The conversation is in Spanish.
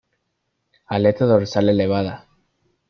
Aleta dorsal elevada.